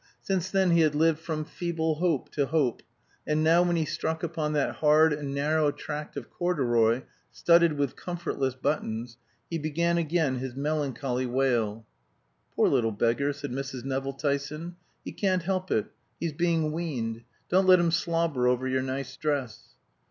Since then he had lived from feeble hope to hope; and now, when he struck upon that hard and narrow tract of corduroy studded with comfortless buttons, he began again his melancholy wail. "Poor little beggar," said Mrs. Nevill Tyson, "he can't help it. He's being weaned. Don't let him slobber over your nice dress."